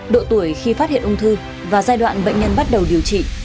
độ tuổi khi phát hiện ung thư và giai đoạn bệnh nhân bắt đầu điều trị